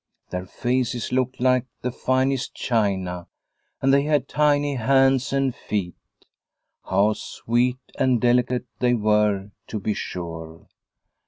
Their faces looked like the finest china, and they had tiny hands and feet. How sweet and delicate they were to be sure